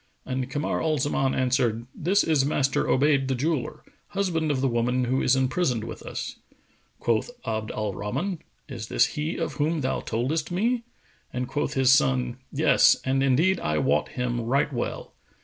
And Kamar al Zaman answered, "This is Master Obayd the jeweller, husband of the woman who is imprisoned with us." Quoth Abd al Rahman, "Is this he of whom thou toldest me?"; and quoth his son, "Yes; and indeed I wot him right well."